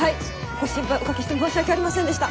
ご心配おかけして申し訳ありませんでした。